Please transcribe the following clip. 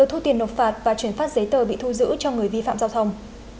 thu tiền nộp phạt và chuyển phát giấy tờ bị thu giữ cho người vi phạm giao thông